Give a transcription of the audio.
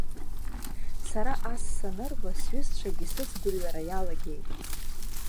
Сара ас санырба, сҩызцәагьы сыцгәырҩара иалагеит.